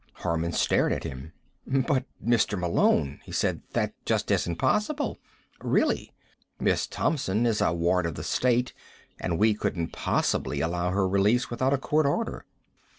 Harman stared at him. "But, Mr. Malone," he said, "that just isn't possible. Really. Miss Thompson is a ward of the state, and we couldn't possibly allow her release without a court order."